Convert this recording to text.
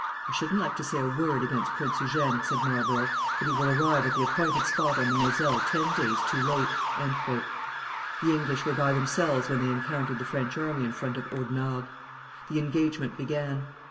"I shouldn't like to say a word against Prince Eugene," said Marlborough, "but he will arrive at the appointed spot on the Moselle ten days too late." The English were by themselves when they encountered the French army in front of Audernarde. The engagement began.